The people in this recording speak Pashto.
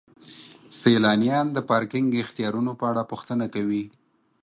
سیلانیان د پارکینګ اختیارونو په اړه پوښتنه کوي.